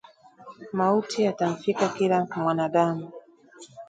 Mauti yatamfika kila mwanadamu